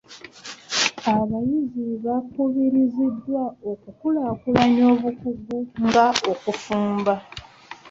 Abayizi bakubiriziddwa okulaakulanya obukugu nga okufumba.